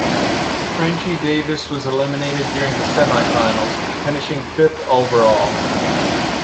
Frenchie Davis was eliminated during the semi-finals, finishing fifth overall.